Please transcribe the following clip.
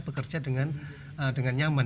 bekerja dengan nyaman